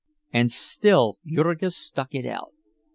And still Jurgis stuck it out!